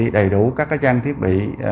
đầy đủ các cái trang thiết bị